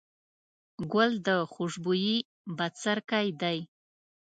ګل د خوشبويي بڅرکی دی.